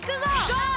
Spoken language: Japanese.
ゴー！